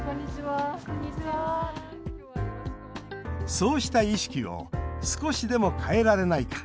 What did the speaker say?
そうした意識を少しでも変えられないか。